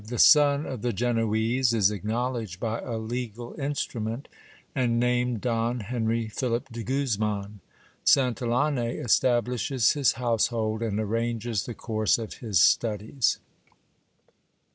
— The son of the Genoese is acknowledged by a legal instrument, and named Don Henry Philip de Guzman. Santillane establishes his household, and arranges the course of his studies.